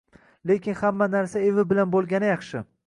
Lekin hamma narsa evi bilan bo‘lgani yaxshi.